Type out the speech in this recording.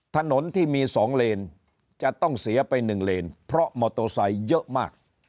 ถนนที่มี๒เลนจะต้องเสียไป๑เลนเพราะมอเตอร์ไซค์เยอะมาก